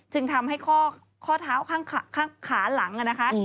จึงทำให้ข้อเท้าข้างขาหลังนะคะ